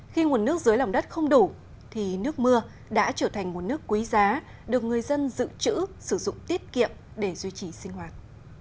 khi nguồn nước dưới lòng đất không đủ thì nước mưa đã trở thành nguồn nước quý giá được người dân dự trữ sử dụng tiết kiệm để duy trì sinh hoạt